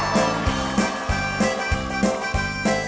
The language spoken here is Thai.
น้องเป็นซาวเทคนิคตาคมพมยาว